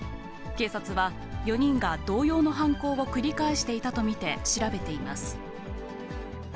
警察は、４人が同様の犯行を繰り返していたと見て調べています。